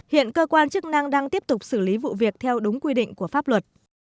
hiện cơ quan chức năng đang tiếp tục xử lý vụ việc theo đúng quy định của pháp luật